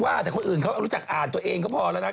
ว่าแต่คนอื่นเขารู้จักอ่านตัวเองก็พอแล้วนะ